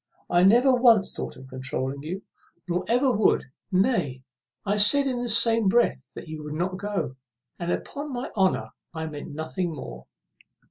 I never once thought of controuling you, nor ever would. Nay, I said in the same breath you would not go; and, upon my honour, I meant nothing more."